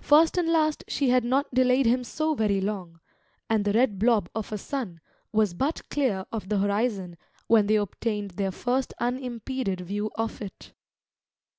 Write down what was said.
First and last she had not delayed him so very long, and the red blob of a sun was but clear of the horizon when they obtained their first unimpeded view of it.